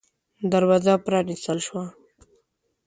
دروازه پًرانيستل شوه.